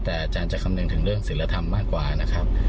แต่อาจารย์จะคำนึงถึงเรื่องศิลธรรมมากกว่านะครับ